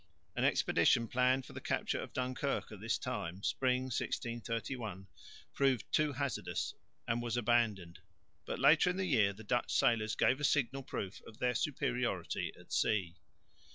An expedition planned for the capture of Dunkirk at this time, spring 1631, proved too hazardous and was abandoned, but later in the year the Dutch sailors gave a signal proof of their superiority at sea.